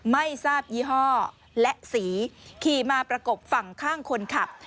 ไม่ทราบยี่ห้อและสีขี่มาประกบฝั่งข้างคนขับ